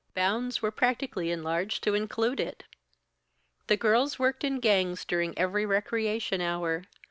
Bounds were practically enlarged to include it. The girls worked in gangs during every recreation hour.